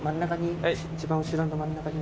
一番後ろの真ん中に。